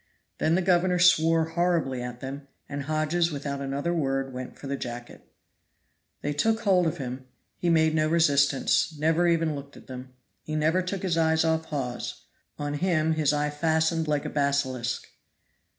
Then the governor swore horribly at them, and Hodges without another word went for the jacket. They took hold of him; he made no resistance; he never even looked at them. He never took his eye off Hawes; on him his eye fastened like a basilisk.